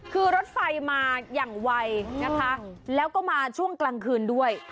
คือรถไฟมาอย่างไวนะคะแล้วก็มาช่วงกลางคืนด้วย